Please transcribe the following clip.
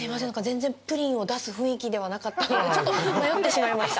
全然プリンを出す雰囲気ではなかったのでちょっと迷ってしまいました。